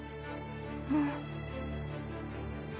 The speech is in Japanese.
うん。